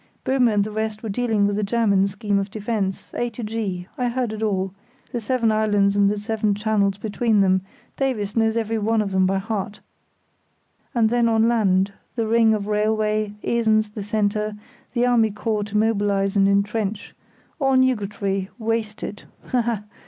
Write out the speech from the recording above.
Böhme and the rest were dealing with the German scheme of defence A to G—I heard it all—the seven islands and the seven channels between them (Davies knows every one of them by heart); and then on land, the ring of railway, Esens the centre, the army corps to mobilise and entrench—all nugatory, wasted, ha! ha!